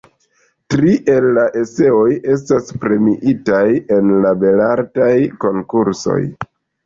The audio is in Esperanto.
Tri el la eseoj estas premiitaj en la Belartaj Konkursoj.